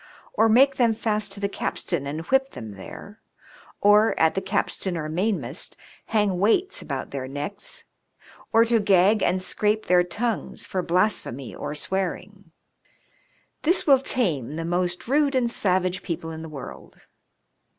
or make them fast to the capstan and whip them there, or at the capstan or mainmast^ hang weights about their necks, or to ga^ and scrape their tongues for blasphemy or. swearmg. This will tame the most rude and savage people in the world.'